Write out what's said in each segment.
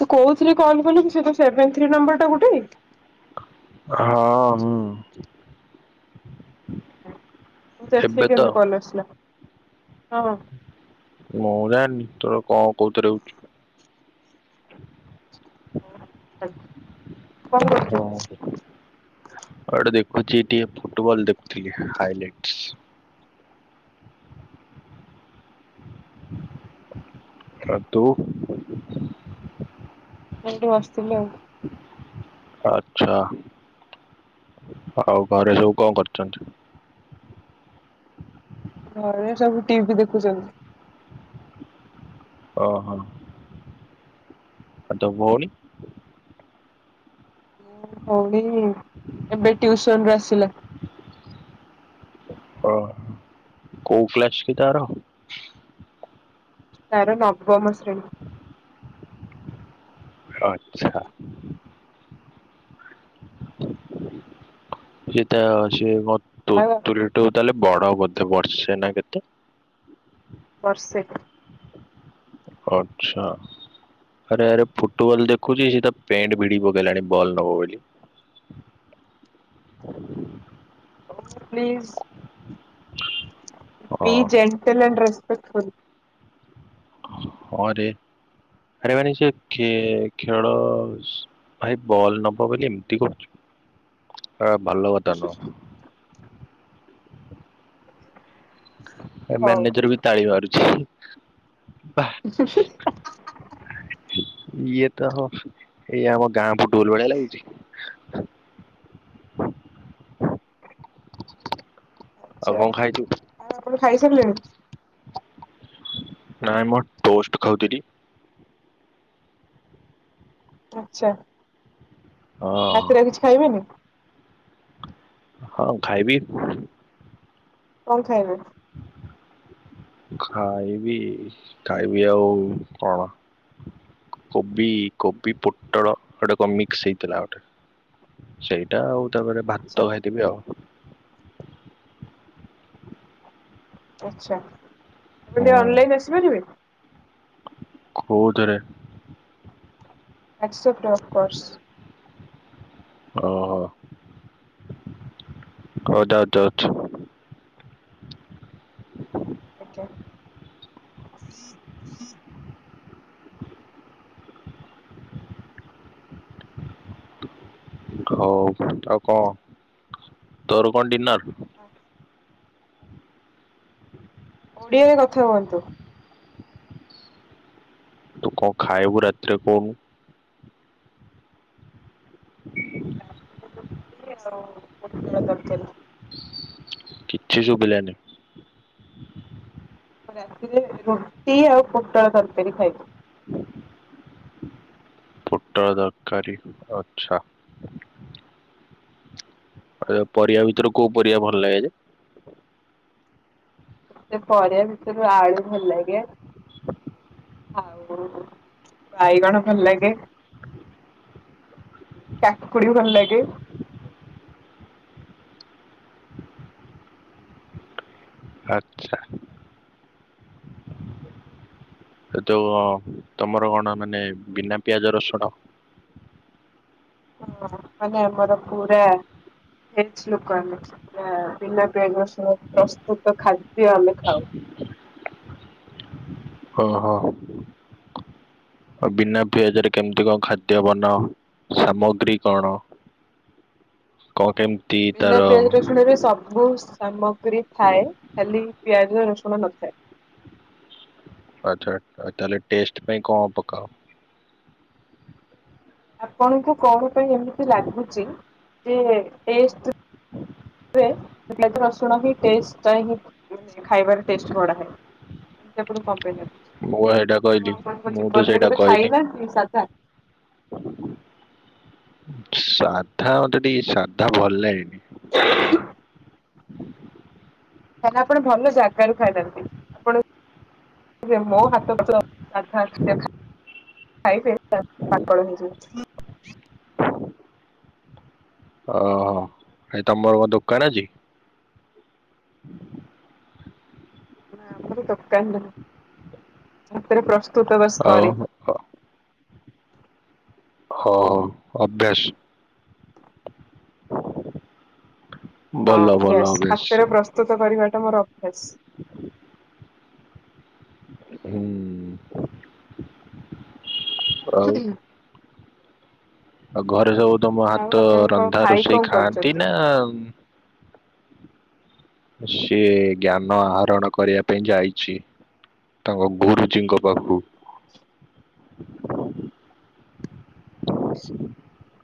ତୁ କୋଉଥିଲଥିଲେ କଲ୍ କଲୁ ସେ ସେଭେନ ଥ୍ରୀ ନମ୍ବର ଟା ଗୋଟେ। ହଁ ହଁ। ଦେଖିକି ଏବେ ତ କେମିତି କଲ ଆସିଲା ହଁ। ମୁଁ ଜାଣନି ତୋର କଣ କଉଥିରୁ [unintelligible] କଣ ଆ କରୁଛୁ ଟିକେ ଦେଖୁଛି ଟିକେ ଫୁଟବଲ ଦେଖୁଥିଲି ହାଇଲାଇଟ। ଆ ତୁ ଏଠୁ ବସଥିଲୁ ଆଉ। ଆଛା ଆଉ ଘରେ ସବୁ କଣ କରୁଚନ୍ତି? ଘରେ ସବୁ ଟିଭି ଦେଖୁଚନ୍ତି। ଓହୋ। ଆ ତୋ ଭୋ ହଉ ବି ଏବେ ଟିଉସନରୁ ଆସିଲା। ଓ କୋଉ ଫ୍ଲାସ କି ତାର? ତାର ନବମ ଶ୍ରେଣୀ। ଆଛା। ଯିଏ ତାର ସିଏ ମୋ ତୁ ଆଉ ତ୍ ତୁ ତାହେଲେ ବଡ ବୋଧେ ବର୍ଷେ ନା କେତେ? ବର୍ଷେ। ଆଛା। ଆରେ ଆରେ ଫୁଟବଲ ଦେଖୁଚି ସେ ତା ପେଣ୍ଟ ଭିଡି ପକେଇଲାଣି ବଲ ନବ ବୋଲି। [inaudible] ପ୍ଲିଜ ହଁ ପ୍ଲିଜ ଏଣ୍ଟଲେଣ୍ଡ ରେସ୍ପେକ୍ଟ ଫୁଲ। ହଁ ରେ ଆରେ ମାନେ ସେ ଖେ ଖେଳ ଭାଇ ବଲ ନବ ବୋଲି ଏମତି କରୁଚୁ ଆ ଭଲ କଥା ନୁହଁ। ଏ ହଉ ମ୍ୟାନେଜର ବି ତାଳି ମାରୁଚି। ହୁଁ ହୁଁ। ଇଏ ତ ହ ଏଇ ଆମ ଗାଁକୁ ଡୋଲ ଭଳିଆ ଲାଗୁଚି। ଆଉ ଆଛା କଣ ଖାଇଛୁ? ଆଉ ଆପଣ ଖାଇସାରିଲେଣି ନାଇଁ ମୁଁ ଟୋଷ୍ଟ ଖାଉଥିଲି। ଆଛା। ହଁ ରାତିରେ ଆଉ କିଛି ଖାଇବେନି? ହଁ ଖାଇବି। କଣ ଖାଇବ? ଖାଇବି ଖାଇବି ଆଉ କଣ? କୋବି କୋବି ପୋଟଳ ଗୋଟେ କଣ ମିକ୍ସ ହେଇଥିଲା ଗୋଟେ। ସେଇଟା ଆଉ ତାପରେ ଆଚ୍ଛା ଭାତ ଖାଇଥୀବି ଆଉ। ଆଛା ଆପଣ ହୁଁ। ଟିକେ ଅନଲାଇନ୍ ଆସିପାରିବେ କୋଉଥିରେ? Accept of course. ଅ କ ଦ ଦ ଆଛା। ଘଉ ଆଉ ଙ୍କ ତୋର କଣ ଡିନର୍? ହଁ। ଓଡିଆରେ କଥା ହୁଅନ୍ତୁ। ତୁ ଙ୍କ ଖାଇବୁ ରାତିରେ କହୁ ଆଉ ପୋଟଳ ତରକାର। କିଛି ଶୁଭିଲାନି। ମୁଁ ରାତିରେ ରୁଟି ଆଉ ପୋଟଳ ତରକାରୀ ଖାଇବି। ପୋଟଳ ଦରକାରୀ ଆଛା। ପରିବା ଭିତରୁ କୋଉ ପରିବା ଭଲ ଲାଗେ ଯେ? ସେ ପରିବା ଭିତରୁ ଆଳୁ ଭଲ ଲାଗେ। ଆଉ ବାଇଗଣ ଭଲ ଲାଗେ। କାକୁଡି ଭଲ ଲାଗେ। ଆଛା। ଯୋଉ ତମର କଣ ମାନେ ବିନା ପିଆଜ ରସୁଣ? ହଁ ମାନେ ମୋର ପୁରା ଭେଜ ଲୋକ ଆମେ ବିନା ପିଆଜ ରସୁଣରେ ପ୍ରସ୍ତୁତ ଖାଦ୍ୟ ଆମେ ଖାଉ। ଓହୋ ଆଉ ବିନା ପିଆଜରେ କେମତି କଣ ଖାଦ୍ୟ ବନା ହୁଏ? ସାମଗ୍ରୀ କଣ କଣ କେମତି? ବିିଲା ପିଆଜ ରସୁଣ ରେ ସବୁ ସାମଗ୍ରୀ ଥାଏ ଖାଲି ପିଆଜ ରସୁଣ ନଥାଏ। ଆଛା ତାହେଲେ ଟେଷ୍ଟ ପାଇଁ କଣ ପକାଅ? ଆପଣଙ୍କୁ କଣ ପାଇଁ ଏମିତି ଲାଗୁଚି ଯେ ଟେଷ୍ଟ ହୁଏ ପିଆଜ ରସୁଣ ହିଁ ଟେଷ୍ଟ ହିଁ ଖାଇବାରେ ଟେଷ୍ଟ ବଢାଏ? ଏମିତି ଆପଣଙ୍କୁ କ ପାଇଁ ନେବେ ମୁଁ ବା ସେଇଟା କହିଲି ଆପଣ ଆପଣଙ୍କ ମୁଁ ତ ଜୀବନରେ ସେଇଟା କେବେ କହିନି ଖାଇନାହାନ୍ତି ସାଧା? ସାଧା ମତେ ଟିକ ସାଧା ଭଲ ଲାଗେନି। ହ ତାହନେ ଆପଣ ଭଲ ଜାଗାରୁ ଖାଇ ନାହାଥାନ୍ତି ଆପଣ ମୋ ହାତ [unintelligible] ସାଧା ସେ ଖା ଖାଇବେ ଆପଣ ପାଗଳ ହେଇଯିବେ। ଓହୋ କାଇଁ ତମର କଣ ଦୋକାନ ଅଛି? ନା ଆମରି ଦୋକାନ [inaudible] ଶାନ୍ତିରେ ପ୍ରସ୍ତୁତ ବାସ୍ ହଉ କରେ। ହଁ ଅଭ୍ୟାସ। ଭଲ ଭଲ ଅଭ୍ୟାସ। ତୋକ କରିବାଟା ମୋର ଅଭ୍ୟାସ। ହୁଁ। ଆଉ ୍ରୀ ଆଉ ଘରେ ସବୁ ତମ ଆଉ ହାତ ଆପଣଙ୍କ ରନ୍ଧା ଭାଇ ରୋଷେଇ କଣ ଖାଆନ୍ତି କରୁଛନ୍ତି? ନା ଆଉ ସିଏ ଜ୍ଞାନ ଆହରଣ କରିବା ପାଇଁ ଯାଇଚି। ତାଙ୍କ ଘୁରୁଜୀଙ୍କ ପାଖୁକୁ।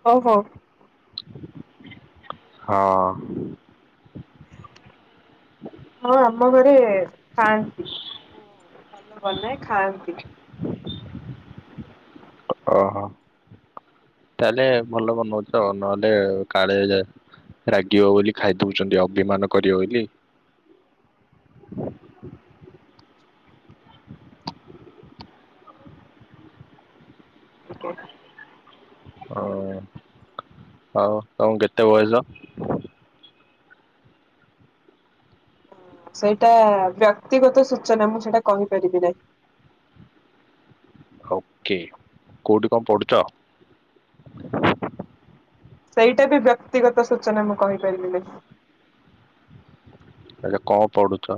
ହୋଉ ହୋଉ। ହଁ। ହଁ ଆମ ଘରେ ଖାଆନ୍ତି ମୁଁ ଭଲ ବନାଏ ଖାଆନ୍ତି। ଓହୋ ତାହେଲେ ଭଲ ବନୋଉଚ ନହେଲେ କାଳେଏ ଯେ ରାଗିବ ବୋଲି ଖାଇ ଦୋଉଛନ୍ତି ଅଭିମାନ କରିବ ବୋଲି। ଟିକେ ଓ ଆଉ ତମକୁ କେତେ ବୟସ? ସେଇଟା ବ୍ୟକ୍ତିଗତ ସୂଚନା ମୁଁ ସେଇଟା କହିପାରିବି ନାହିଁ। ହୋକେ କୋଉଠି କ ପଢୁଚ? ସେଇଟା ବି ବ୍ୟକ୍ତିଗତ ସୂଚନା ମୁଁ କହିପାରିବି ନାହିଁ। ଆଛା କଣ ପଡୁଚି?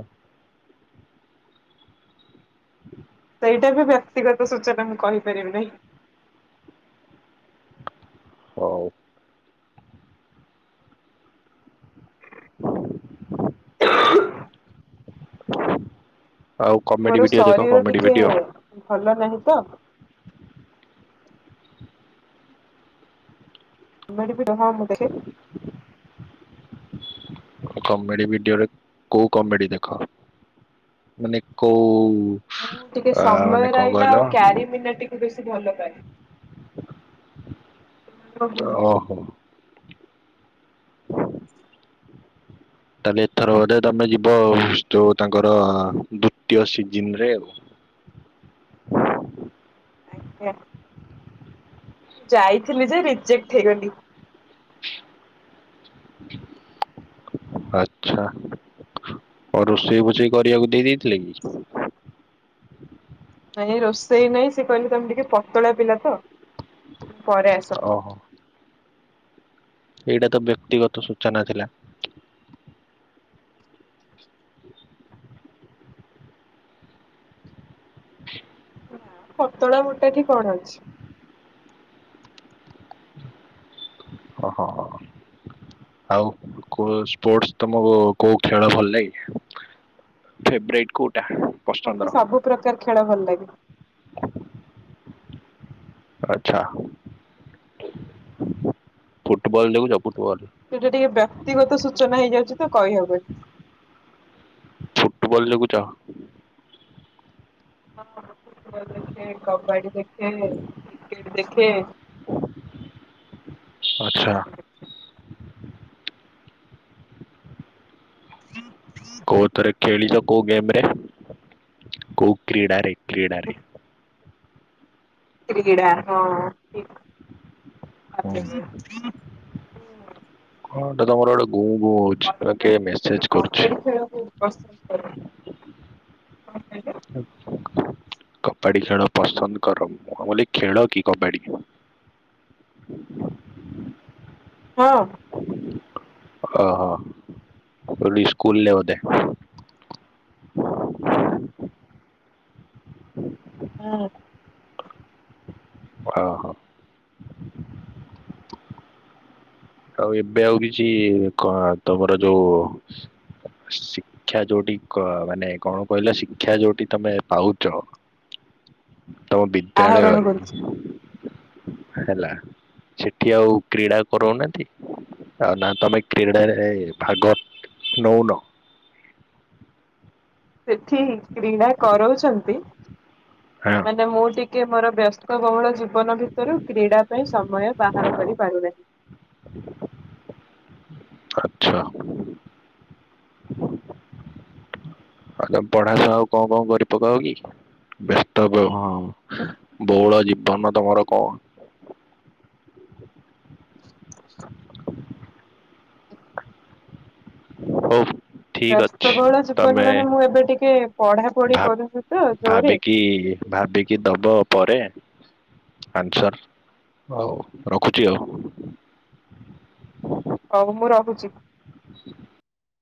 ହଁ ଏଇଟା ବି ବ୍ୟକ୍ତିଗତ ସୂଚନା ମୁଁ କହିପାରିବି ନାହିଁ। ହୋଉ। ହ ହ ଆଉ କମେଡି ମୋର ଭିଡିଓ ଦେଖ ଶରୀର କମେଡି ଟିକେ ଭିଡିଓ। ଭଲ ନାହିଁ ତ [unintelligible] ମୁଁ ଦେଖେ। କମେଡି ଭିଡିଓରେ କୋଉ କମେଡି ଦେଖ ମାନେ କୋଉ ହଁ ଟିକେ ଆ ସମୟ ମାନେ କଣ ରହିନା କହିଲ ଆଉ କ୍ୟାରିମିନା ଟିକେ ବେଶୀ ଭଲ ପାଏ। ମୋ ଗୁରୁ। ଓ ହୋ। ତାହେଲେ ଏଥର ବୋଧେ ତମେ ଯିବ ଯୋଉ ତାଙ୍କର ଦ୍ଵିତୀୟ ସିଜିନରେ ଆଉ। ଆଞା। ଯାଇଥିଲି ଯେ ରିଜେକ୍ଟ ହେଇଗଲି। ଆଛା ଆଉ ରୋଷେଇ ବୋଷେଇ କରିବାକୁ ଦେଇ ଦେଇଥିଲେ କି? ନାଇଁଁ ରୋଷେଇ ନାଇଁ, ସେ କହିଲେ ତମେ ଟିକେ ପତଳା ପିଲା ତ ପରେ ଆସ। ଓହୋ। ଏଇଟା ତ ବ୍ୟକ୍ତିଗତ ସୂଚନା ଥିଲା। ହ ନା ପତଳା ମୋଟାଠି କଣ ଅଛି। ଓ ହୋ। ଆଉ କୋଉ ସ୍ପୋର୍ଟ ତମକୁ କୋଉ ଖେଳ ଭଲ ଲାଗେ? ଫେବରାଇଟ କୋଉଟା? ମତେ ପସନ୍ଦର? ସବୁ ପ୍ରକାର ଖେଳ ଭଲ ଲାଗେ। ଆଛା ଫୁଟବଲ ଦେଖୁଛ, ଫୁଟବଲ। ସେଇଟା ଟିକେ ବ୍ୟକ୍ତିଗତ ସୂଚନା ହେଇଯାଉଛି ତ କହିହବନି। ଫୁଟବଲ୍ ଯୋଗୁଁ ଚାହଁ। ହଁ ଫୁଟବଲ ଦେଖେ, କବାଡି ଦେଖେ, କ୍ରିକେଟ ଦେଖେ ଆଛା। କୋଉ ଥେରେ ଖେଳିଛ, କୋଉ ଗେମରେ, କୋଉ କ୍ରୀଡ଼ାରେ କ୍ରୀଡ଼ାରେ କ୍ରୀଡ଼ା ହଁ। ହଁ ଭାବିଲେ। କଟ ତମର ଆଡେ ଗ ଗ ସେପଟେ କିଏ ମେସେଜ କରୁଛି? ବ ହ କବାଡି ଖେଳ ପସନ୍ଦ କର ବୋଲି, ଖେଳ କି କବାଡି? ହଁ। ଓ ହୋ ମୁଁ କହିଲି ସ୍କୁଲରେ ବୋଧେ? ହଁ। ହଁ- ହଁ। ଆଉ ଏବେ ଆଉ କିଛି, କଣ ତମର ଯୋଉ ଶିକ୍ଷା ଯୋଉଠି ମାନେ କଣ କହିଲ, ଶିକ୍ଷା ଯୋଉଠି ତମେ ପାଉଛ। ତମ ଆହରଣ ବିଦ୍ୟାଳୟରେ କରୁଛି। ହେଲା, ସେଠି ଆଉ କ୍ରୀଡ଼ା କରଉନାହାନ୍ତି, ଆଉ ନା ତୁମେ କ୍ରୀଡ଼ାରେ ଭାଗ ନେଉନ। ସେଠି କ୍ରୀଡ଼ା କରଉଛନ୍ତି, ହଁ ମାନେ ମୁଁ ଟି କି ମୋର ବ୍ୟସ୍ତବହୁଳ ଜୀବନ ଭିତରୁ, କ୍ରୀଡ଼ା ପାଇଁ ସମୟ ବାହାର କରିପାରୁନାହିଁ। ହ ଆଚ୍ଛା। ଆଉ ତମେ ପଢା ସହ ଆଉ କଣ କଣ କରିପକାଅ କି? ବ୍ୟସ୍ତ ବ ହଁ ବହୁଳ ଜୀବନ ତମର କଣ? ହ ହଉ। ଠିକ ଅଛି ବ୍ୟସ୍ତବହୁଳ ଜୀବନ ତମେ ମାନେ, ମୁଁ ଏବେ ଟିକେ ପଢାପଢି କରୁଛି ତ ଜୋରେ। କି ଭାବିକି ଦବ ପରେ ଆନ୍ସର, ହଉ ରଖୁଛି ଆଉ। ହଉ ମୁଁ ରହୁଛି।